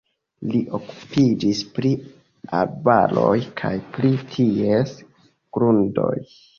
Li okupiĝis pri arbaroj kaj pri ties grundoj.